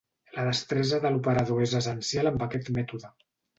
La destresa de l'operador és essencial amb aquest mètode.